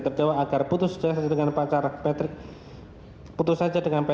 terdewa agar putus saja dengan pacar